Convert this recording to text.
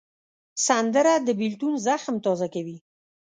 سندره د بېلتون زخم تازه کوي